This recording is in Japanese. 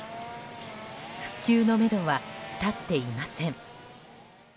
復旧のめどは立っていません。